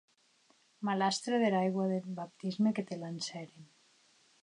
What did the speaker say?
Malastre dera aigua deth baptisme que te lancèren!